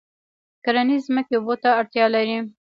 کرنیزې ځمکې اوبو ته اړتیا لري.